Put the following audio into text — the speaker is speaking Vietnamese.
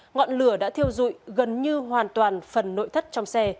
ngọn lửa đã thiêu dụi gần như hoàn toàn phần nội thất trong xe